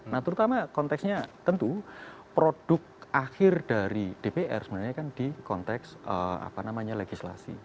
nah terutama konteksnya tentu produk akhir dari dpr sebenarnya kan di konteks apa namanya legislasi